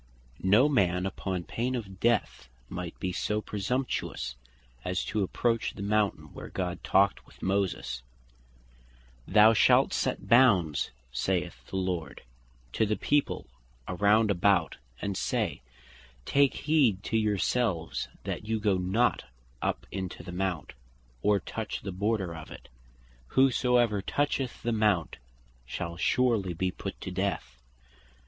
No man upon pain of death might be so presumptuous as to approach the Mountain where God talked with Moses. "Thou shalt set bounds" (saith the Lord, Exod 19. 12.) "to the people round about, and say, Take heed to your selves that you goe not up into the Mount, or touch the border of it; whosoever toucheth the Mount shall surely be put to death."